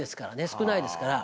少ないですから。